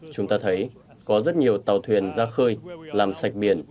chúng ta thấy có rất nhiều tàu thuyền ra khơi làm sạch biển